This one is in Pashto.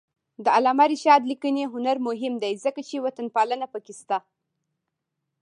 د علامه رشاد لیکنی هنر مهم دی ځکه چې وطنپالنه پکې شته.